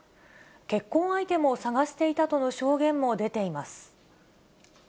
結婚相手も探していたとの証言も出ています。